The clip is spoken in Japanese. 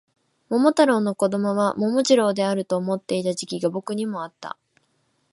桃太郎の子供は桃次郎であると思っていた時期が僕にもあった